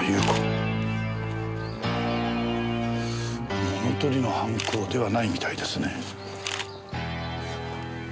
物取りの犯行ではないみたいですね。